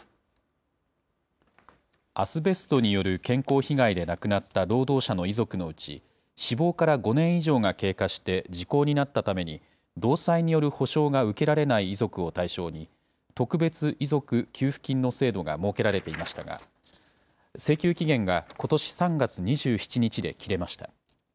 アスベストによる健康被害で亡くなった労働者の遺族のうち、死亡から５年以上が経過して時効になったために労災による補償が受けられない遺族を対象に、特別遺族給付金の制度が設けられていましたが、請求期限がことし３月２７日で切れました。